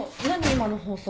今の放送。